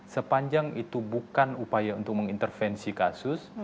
sepanjang itu bukan upaya untuk mengintervensi kasus